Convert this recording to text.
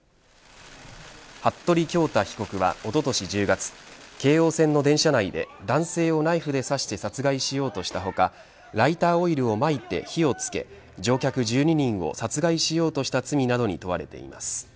服部恭太被告はおととし１０月京葉線の電車内で男性をナイフで刺して殺害しようとした他ライターオイルをまいて火をつけ乗客１２人を殺害しようとした罪などに問われています。